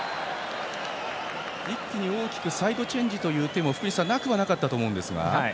一気に大きくサイドチェンジという手もなくはなかったと思うんですが。